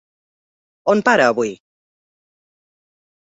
On para, avui?